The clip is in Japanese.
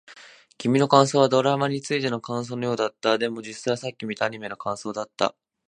君の感想はドラマについての感想のようだった。でも、実際はさっき見たアニメの感想だった。